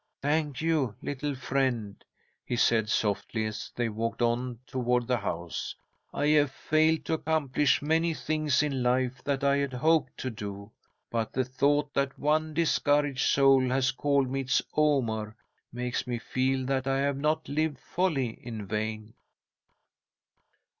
"Thank you, little friend," he said, softly, as they walked on toward the house. "I have failed to accomplish many things in life that I had hoped to do, but the thought that one discouraged soul has called me its Omar makes me feel that I have not lived wholly in vain."